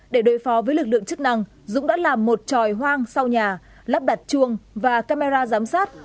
để đối phó với lực lượng chức năng dũng đã làm một tròi hoang sau nhà lắp đặt chuông và camera giám sát